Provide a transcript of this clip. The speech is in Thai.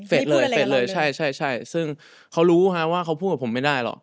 เลยเสร็จเลยใช่ใช่ซึ่งเขารู้ว่าเขาพูดกับผมไม่ได้หรอก